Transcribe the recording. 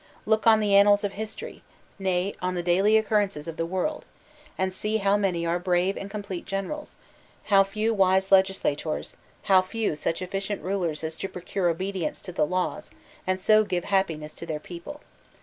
Look on the annals of history, nay, on the daily occurrences of the world, and see how many are brave and complete generals; how few wise legislators; how few such efficient rulers as to procure obedience to the laws, and so give happiness to their people.